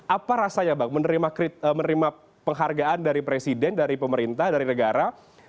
apa rasanya bang menerima penghargaan dari presiden dari pemerintah dari negara